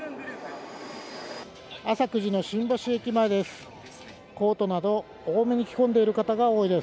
朝９時の新橋駅前です。